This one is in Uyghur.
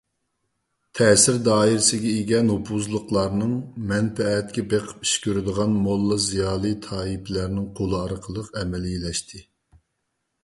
تەسىر دائىرىسىگە ئىگە نوپۇزلۇقلارنىڭ، مەنپەئەتكە بېقىپ ئىش كۆرىدىغان موللا - زىيالىي تائىپىلەرنىڭ قولى ئارقىلىق ئەمەلىيلەشتى.